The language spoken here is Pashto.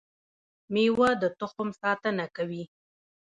میوه د تخم ساتنه کوي